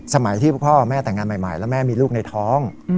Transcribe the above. สมัยที่พ่อแม่แต่งงานใหม่แล้วแม่มีลูกในท้อง